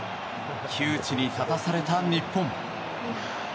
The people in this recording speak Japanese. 窮地に立たされた日本。